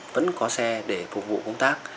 vẫn có xe để phục vụ công tác